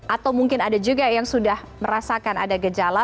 atau mungkin ada juga yang sudah merasakan ada gejala